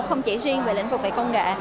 không chỉ riêng về lĩnh vực về công nghệ